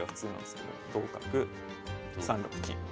同角３六金。